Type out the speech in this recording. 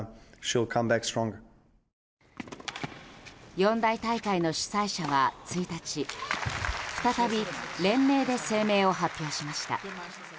四大大会の主催者は１日再び連名で声明を発表しました。